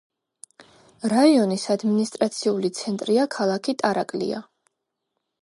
რაიონის ადმინისტრაციული ცენტრია ქალაქი ტარაკლია.